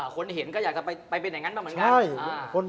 คนเห็นก็อยากไปไปไหนกันบ้างเหมือนกัน